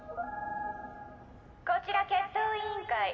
こちら決闘委員会。